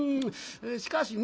しかしね